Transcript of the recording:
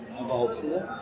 vỏ hộp sữa